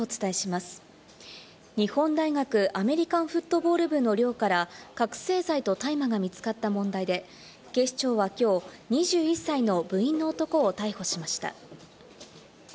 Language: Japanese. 日本大学アメリカンフットボール部の寮から、覚醒剤と大麻が見つかった問題で、警視庁はきょう、２１歳の部員の男を逮捕しました。